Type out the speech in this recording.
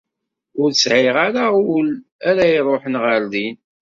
Ur sɛiɣ ara ul ara iruḥen ɣer din.